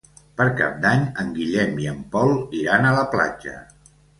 Per Cap d'Any en Guillem i en Pol iran a la platja.